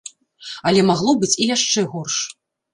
Але магло быць і яшчэ горш.